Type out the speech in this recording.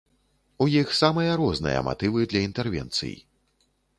У іх самыя розныя матывы для інтэрвенцый.